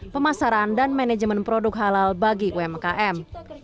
pemasaran dan manajemen produk halal bagi umkm